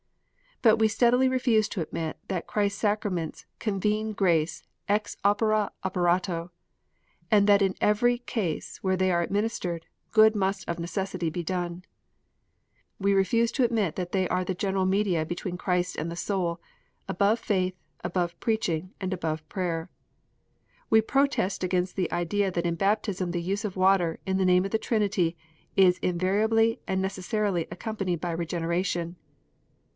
But we steadily refuse to admit that Christ s Sacraments convey grace ex opere operato, and that in every case where they are administered, good must of necessity be done. We refuse to admit that they are the grand media between Christ and the soul, above faith, above preaching, and above prayer. We protest against the idea that in baptism the use of water, in the name of the Trinity, is invariably and necessarily accompanied by regeneration.